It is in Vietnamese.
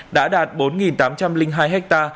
đã đạt bốn tám trăm linh hai ha